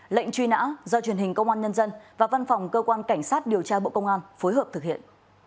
lệnh truy nã do truyền hình công an nhân dân và văn phòng cơ quan cảnh sát điều tra bộ công an phối hợp thực hiện